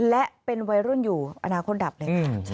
และเป็นวัยรุ่นอยู่อนาคตดับเลยค่ะ